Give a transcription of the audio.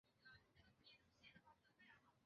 美女翠雀花是高翠雀花和翠雀的杂交栽培种。